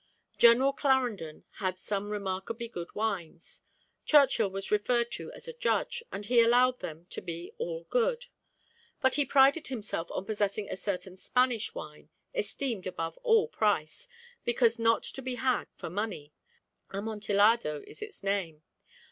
General Clarendon had some remarkably good wines. Churchill was referred to as a judge, and he allowed them to be all good, but he prided himself on possessing a certain Spanish wine, esteemed above all price, because not to be had for money amontillado is its name.